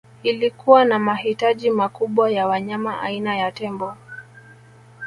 Ilikuwa na mahitaji makubwa ya wanyama aina ya tembo